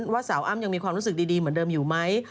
ว่าสาวอ้ำยังมีความรู้สึกดีเหมือนเดิมอยู่ไหม